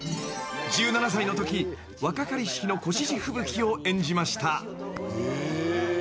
［１７歳のとき若かりし日の越路吹雪を演じました］え。